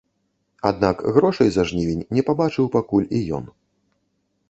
Аднак грошай за жнівень не пабачыў пакуль і ён.